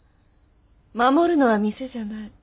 守るのは店じゃない。